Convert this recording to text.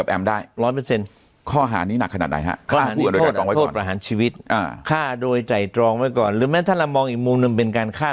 อาจารย์บรมเมฆยืนยันว่ายังไงก็เอาผิดกับแอมได้